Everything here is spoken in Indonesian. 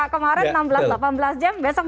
kemarin enam belas delapan belas jam besok